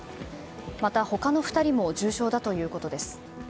また、他の２人も重傷だということです。